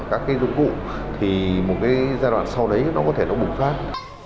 các cái dụng cụ thì một cái giai đoạn sau đấy nó có thể nó bùng phát